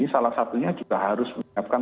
salah satunya juga harus menyiapkan